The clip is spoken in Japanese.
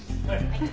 はい。